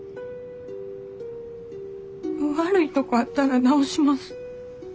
悪いとこあったら直します。